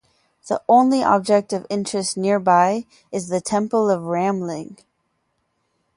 The only object of interest nearby is the temple of Ramling.